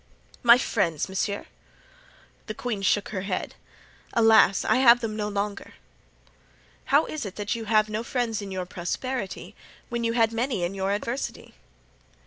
"My friends, monsieur?" The queen shook her head. "Alas, I have them no longer!" "How is it that you have no friends in your prosperity when you had many in adversity?"